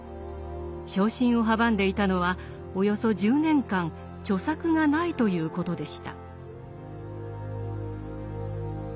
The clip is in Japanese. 昇進を阻んでいたのはおよそ１０年間著作がないということでした。